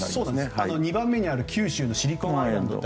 ２番目にある九州のシリコンアイランド。